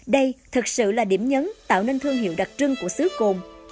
đây thật sự là điểm nhấn tạo nên thương hiệu đặc trưng của xứ cồn